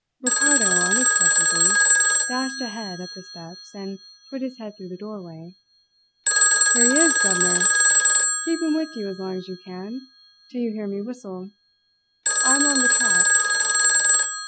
Ricardo, unexpectedly, dashed ahead up the steps and put his head through the doorway. "Here he is, governor! Keep him with you as long as you can till you hear me whistle. I am on the track."